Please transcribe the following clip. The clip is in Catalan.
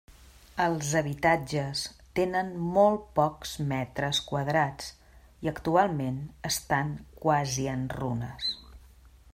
Els habitatges tenen molt pocs metres quadrats i actualment estan quasi en runes.